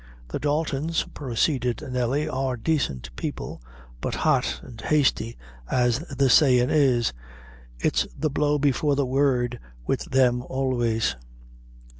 "The Daltons," proceeded Nelly, "are daicent people, but hot and hasty, as the savin' is. It's the blow before the word wid them always."